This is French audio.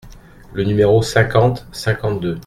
Le numéro cinquante-cinquante-deux.